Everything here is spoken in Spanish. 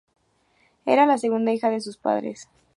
Era la segunda hija de sus padres.